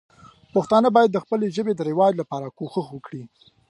پښتانه باید د خپلې ژبې د رواج لپاره کوښښ وکړي.